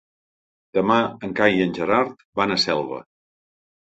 Demà en Cai i en Gerard van a Selva.